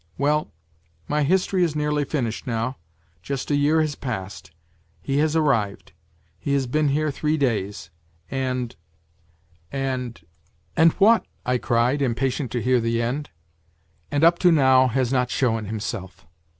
Well, my history is nearly finished now. Just a year has past. He has arrived; he has been her? three days, and, and 30 WHITE NIGHTS " And what ?' I cried, impatient to hear the end. " And up to now has not shown himself